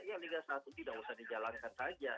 ya liga satu tidak usah dijalankan saja